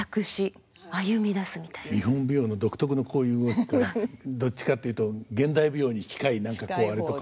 日本舞踊の独特のこういう動きからどっちかっていうと現代舞踊に近い何かこうアレとか。